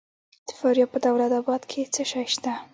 د فاریاب په دولت اباد کې څه شی شته؟